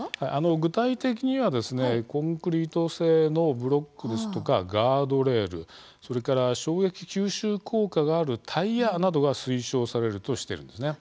具体的にはコンクリート製のブロックやガードレール衝撃吸収効果があるタイヤなどが推奨されるとしているんですね。